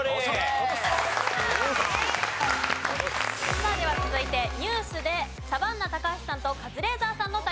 さあでは続いてニュースでサバンナ高橋さんとカズレーザーさんの対決です。